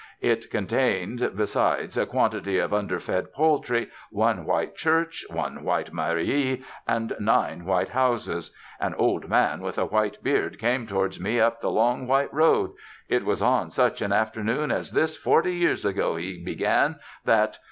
It contained besides a quantity of underfed poultry one white church, one white mairie, and nine white houses. An old man with a white beard came towards me up the long white road. "It was on just such an afternoon as this forty years ago," he began, "that...."